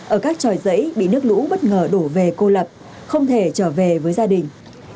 ở các tròi giấy bị nước lũ bất ngờ đổ về cô lập không thể trở về với gia đình